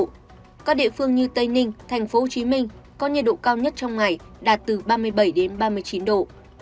các địa phương như tây ninh thành phố hồ chí minh có nhiệt độ cao nhất trong ngày đạt từ ba mươi bảy ba mươi chín độ